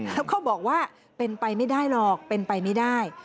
แล้วเขาบอกว่าเป็นไปไม่ได้หรอกเป็นไปไม่ได้